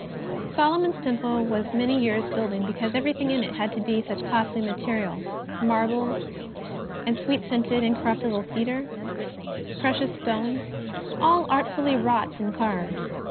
Solomon's Temple was many years building because everything in it had to be of such costly material — marbles, and sweet scented, incorruptible cedar, and precious stones, all " artfully wrought and carved.